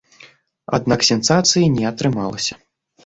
Аднак сенсацыі не атрымалася.